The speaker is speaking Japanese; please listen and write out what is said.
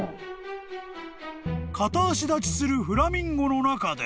［片足立ちするフラミンゴの中で］